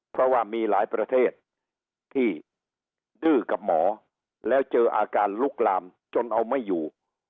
เพราะว่ามีหลายประเทศที่ดื้อกับหมอแล้วเจออาการลุกลามจนเอาไม่อยู่